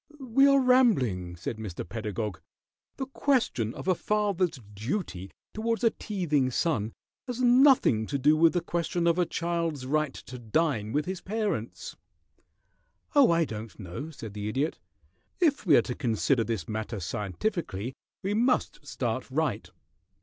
"We are rambling," said Mr. Pedagog. "The question of a father's duty towards a teething son has nothing to do with the question of a child's right to dine with his parents." "Oh, I don't know," said the Idiot. "If we are to consider this matter scientifically we must start right.